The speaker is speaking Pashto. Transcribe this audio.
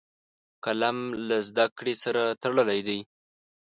قلم له زده کړې سره تړلی دی